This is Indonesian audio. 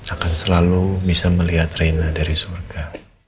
akan selalu bisa melihat reina dari surga